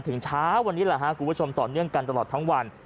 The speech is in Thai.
เช้าวันนี้แหละครับคุณผู้ชมต่อเนื่องกันตลอดทั้งวัน